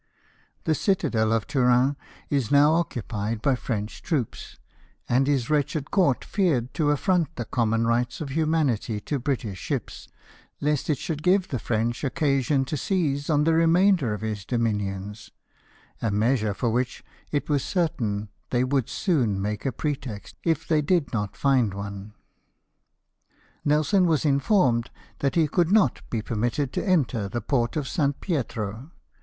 The citadel of TuTin was now occupied by French troops ; and his wretched Court feared to aflbrd the common rights of humanity to British ships, lest it should give the ACCIDENT TO THE " VANGUARD:' 129 French occasion to seize on the remainder of his dominions — a measure for which, it was certain, they would soon make a pretext, if they did not find one. Nelson was informed that he could not be permitted to enter the port of St. Pietro.